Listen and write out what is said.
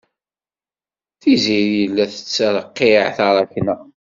Tiziri la tettreqqiɛ taṛakna.